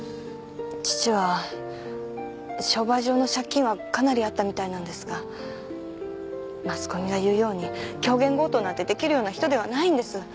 父は商売上の借金はかなりあったみたいなんですがマスコミが言うように狂言強盗なんてできるような人ではないんです。